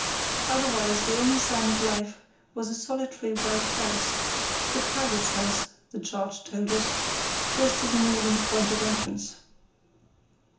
Otherwise the only sign of life was a solitary white house—the pilot's house, the chart told us—close to the northern point of entrance.